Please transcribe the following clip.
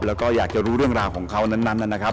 แล้วก็อยากจะรู้เรื่องราวของเขานั้นนะครับ